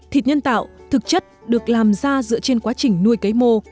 thịt nhân tạo thực chất được làm ra dựa trên quá trình nuôi cấy mô